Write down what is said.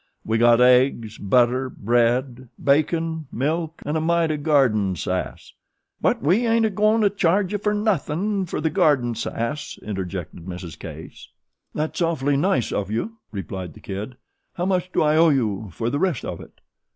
"We got eggs, butter, bread, bacon, milk, an' a mite o' garden sass." "But we ain't goin' to charge you nothin' fer the garden sass," interjected Mrs. Case. "That's awfully nice of you," replied The Kid. "How much do I owe you for the rest of it?"